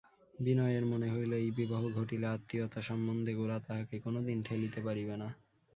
বিনয়ের মনে হইল এই বিবাহ ঘটিলে আত্মীয়তা-সম্বন্ধে গোরা তাহাকে কোনোদিন ঠেলিতে পারিবে না।